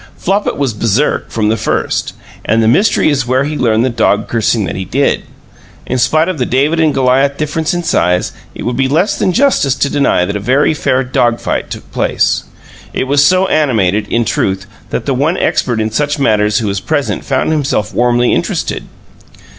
Flopit was baresark from the first, and the mystery is where he learned the dog cursing that he did. In spite of the David and Goliath difference in size it would be less than justice to deny that a very fair dog fight took place. It was so animated, in truth, that the one expert in such matters who was present found himself warmly interested.